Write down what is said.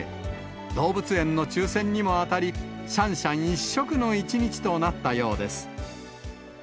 動物園の抽せんにも当たり、シャンシャン一色の一日となったようです。